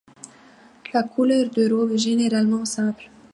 La couleur de robe est généralement simple.